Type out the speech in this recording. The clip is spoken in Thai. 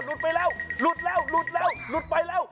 หลุดไปแล้วหลุดแล้วหลุดไปแล้ว